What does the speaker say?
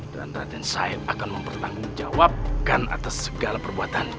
dan raden said akan mempertanggungjawabkan atas segala perbuatanku